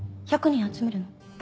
１００人集めるの？